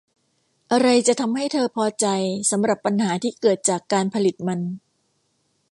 อะไรจะทำให้เธอพอใจสำหรับปัญหาที่เกิดจากการผลิตมัน